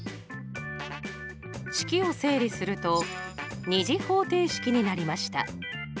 式を整理すると２次方程式になりました。